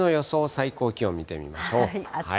最高気温見てみましょう。